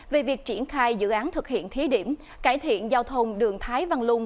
về việc triển khai dự án thực hiện thí điểm cải thiện giao thông đường thái văn lung